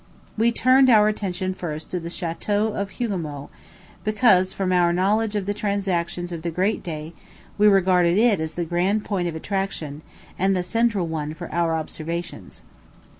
We turned our attention first to the Château of Hougomont, because, from our knowledge of the transactions of the great day, we regarded it as the grand point of attraction, and the central one for our observations.